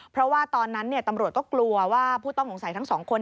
เพราะว่าตอนนั้นตำรวจก็กลัวว่าผู้ต้องสงสัยทั้งสองคน